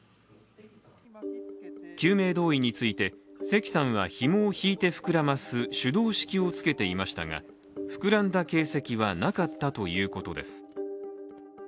救命胴衣について関さんはひもを引いて膨らます手動式をつけていましたが膨らんだ形跡はなかったということです。